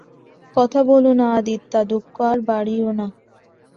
কথা বলো না আদিতদা, দুঃখ আর বাড়িয়ো না।